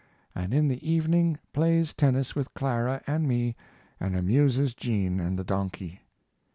and in the evening plays tennis with Clara and me and amuses Jean and the donkey.